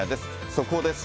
速報です。